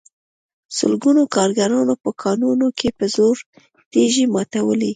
سلګونو کارګرانو په کانونو کې په زور تېږې ماتولې